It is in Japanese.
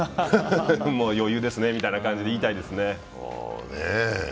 もう余裕ですねみたいな感じで言いたいですね。